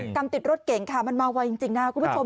กามติดรถเก่งมันมาไว้จริงคุณผู้ชม